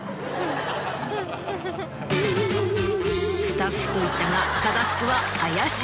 スタッフと言ったが正しくは林修。